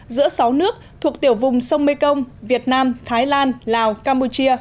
giữa sáu nước thuộc tiểu vùng sông mekong việt nam thái lan lào campuchia